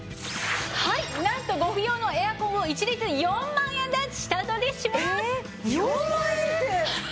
なんとご不要のエアコンを一律４万円で下取りします！